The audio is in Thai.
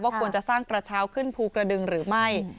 ควรจะสร้างกระเช้าขึ้นภูกระดึงหรือไม่